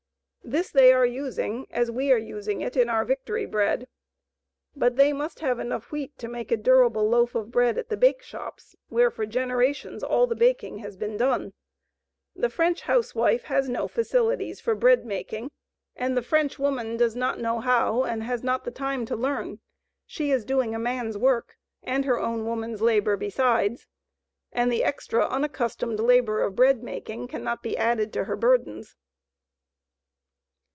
This they are using as we are using it in our Victory bread. But they must have enough wheat to make a durable loaf of bread at the bakeshops, where for generations all the baking has been done. The French housewife has no facilities for bread making and the French woman does not know how and has not the time to learn. She is doing a man's work and her own woman's labor besides, and the extra unaccustomed labor of bread making cannot be added to her burdens.